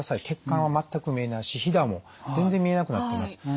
血管は全く見えないしひだも全然見えなくなっています。